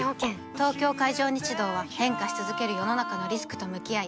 東京海上日動は変化し続ける世の中のリスクと向き合い